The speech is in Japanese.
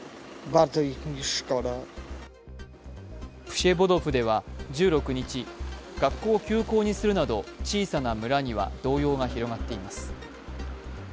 プシェボドフでは１６日学校を休校にするなど小さな村には動揺が広がっています。